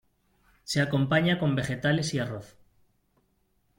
Se acompaña con vegetales y arroz.